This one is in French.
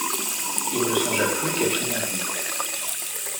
Il ne songea plus qu’à finir vite.